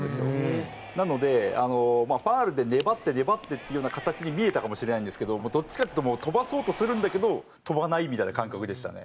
なのであのファウルで粘って粘ってっていうような形に見えたかもしれないんですけどどっちかっていうともう飛ばそうとするんだけど飛ばないみたいな感覚でしたね。